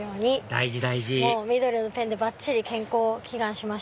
大事大事緑のペンでばっちり健康を祈願しました。